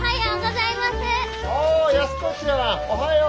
おはよう。